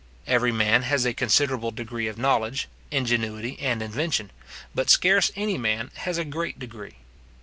Every man has a considerable degree of knowledge, ingenuity, and invention but scarce any man has a great degree.